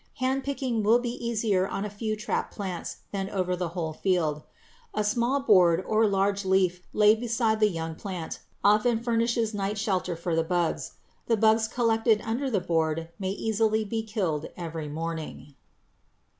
Hand picking will be easier on a few trap plants than over the whole field. A small board or large leaf laid beside the young plant often furnishes night shelter for the bugs. The bugs collected under the board may easily be killed every morning.